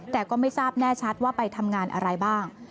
แต่ก็ไม่ทราบแน่ชัดว่าไปทำงานอะไรบ้าง